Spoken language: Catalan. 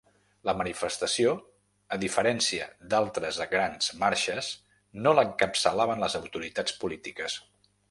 La manifestació, a diferència d’altres grans marxes, no l’encapçalaven les autoritats polítiques.